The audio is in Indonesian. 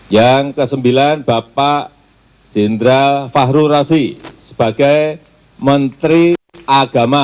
yang kesembilan bapak sindra fahrurasi sebagai menteri agama